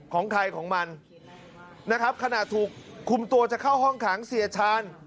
ของใครของมันนะครับขณะถูกคุมตัวจะเข้าห้องขังเสียชาญ